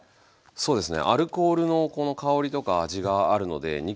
そうですか。